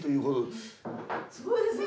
すごいですね。